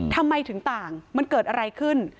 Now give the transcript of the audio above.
ทำไมถึงต่างมันเกิดอะไรขึ้น